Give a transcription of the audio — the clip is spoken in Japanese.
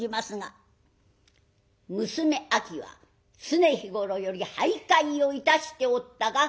「娘秋は常日頃より俳諧をいたしておったか？」。